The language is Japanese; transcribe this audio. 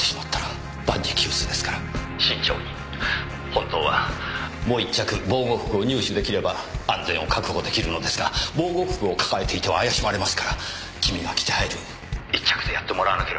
本当はもう１着防護服を入手できれば安全を確保できるのですが防護服を抱えていては怪しまれますから君が着て入る１着でやってもらわなければなりません。